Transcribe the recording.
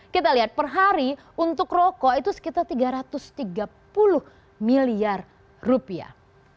kita lihat per hari untuk rokok itu sekitar tiga ratus tiga puluh miliar rupiah